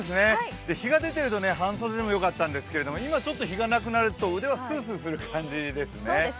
日が出ていると半袖でもよかったんですけど今、ちょっと日がなくなると腕がスースーする感じですね。